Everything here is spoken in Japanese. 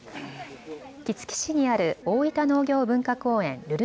杵築市にある大分農業文化公園るる